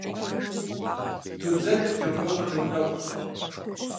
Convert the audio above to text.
Тудзэлъэр теувэгъуэ теунэгъуэщ.